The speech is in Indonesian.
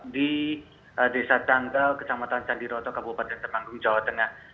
di desa tanggal kecamatan candiroto kabupaten temanggung jawa tengah